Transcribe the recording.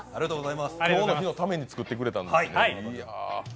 この日のために作ってくれたんですけれども。